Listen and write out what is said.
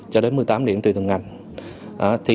cho đến một mươi tám điểm từ từng ngành